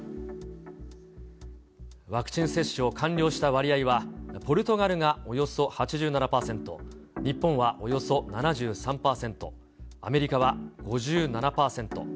ワクチン接種を完了した割合は、ポルトガルがおよそ８７％、日本はおよそ７３％、アメリカは５７％。